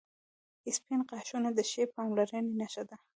• سپین غاښونه د ښې پاملرنې نښه ده.